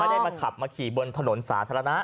ได้มาขับมาขี่บนถนนสาธารณะ